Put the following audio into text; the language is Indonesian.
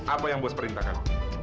apa yang bos perintahkan